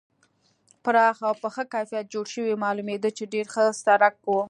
پراخ او په ښه کیفیت جوړ شوی معلومېده چې ډېر ښه سړک و.